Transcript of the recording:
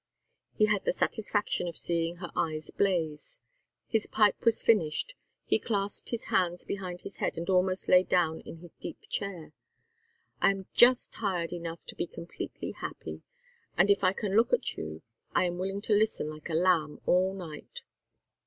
He had the satisfaction of seeing her eyes blaze. His pipe was finished; he clasped his hands behind his head and almost lay down in his deep chair. "I am just tired enough to be completely happy, and if I can look at you I am willing to listen like a lamb all night."